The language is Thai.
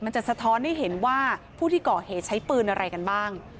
จะสะท้อนให้เห็นว่าผู้ที่ก่อเหตุใช้ปืนอะไรกันบ้าง